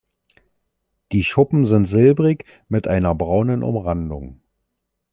Die Schuppen sind silbrig mit einer braunen Umrandung.